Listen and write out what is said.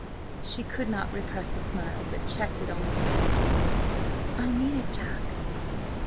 She could not repress a smile, but checked it almost at once. "I mean it, Jack."